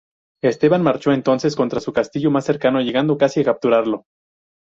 Esteban marchó entonces contra su castillo más cercano llegando casi a capturarlo.